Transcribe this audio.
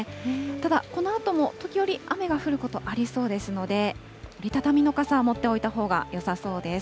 ただこのあとも時折雨が降ることありそうですので、折り畳みの傘は持っておいたほうがよさそうです。